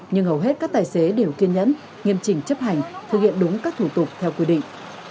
nhưng hầu hết các tài xế đều kiên nhẫn nghiêm chỉnh chấp hành thực hiện đúng các thủ tục theo quy định